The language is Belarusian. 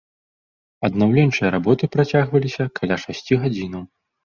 Аднаўленчыя работы працягваліся каля шасці гадзінаў.